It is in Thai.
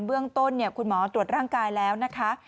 เบื้องต้นคุณหมอตรวจร่างกายแล้วนะคะ